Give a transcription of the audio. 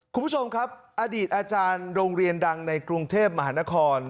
คุณผู้ชมครับอดีตอาจารย์โรงเรียนดังในกรุงเทพมหานคร